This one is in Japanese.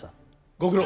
ご苦労。